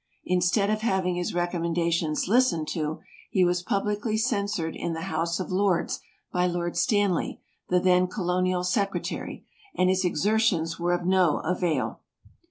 Instead of having his recommendations listened to, he was publicly censured in the House of Lords by Lord Stanley, the then colonial secre tary, and his exertions w6re of no avail.